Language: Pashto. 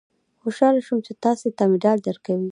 خوشاله شوم چې تاسې ته مډال درکوي.